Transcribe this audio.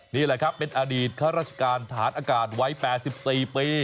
นี่แหละครับเป็นอดีตข้าราชการฐานอากาศวัย๘๔ปี